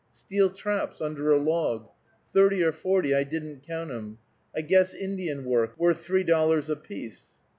"Steel traps, under a log, thirty or forty, I didn't count 'em. I guess Indian work, worth three dollars apiece."